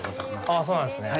あっ、そうなんですね。